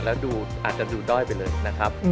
แล้วดูอาจจะดูด้อยไปเลยนะครับ